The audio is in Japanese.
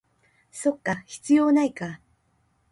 そっか、必要ないか